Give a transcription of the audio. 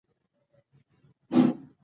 د اسلام د مډرن کولو خبره نه ده مطرح شوې.